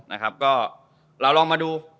นะครับก็เราลองมาดู